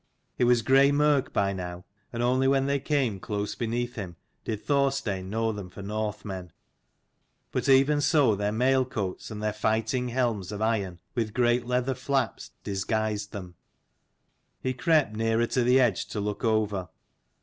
It was grey mirk by now, and only when they came close beneath him did Thorstein know them for Northmen. But even so their mailcoats and their fighting helms of iron, with great leather flaps, disguised them. He crept nearer to the edge to look over.